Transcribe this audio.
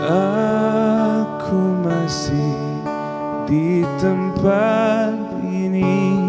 aku masih di tempat ini